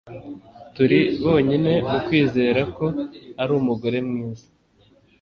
Turi bonyine mu kwizera ko ari umugore mwiza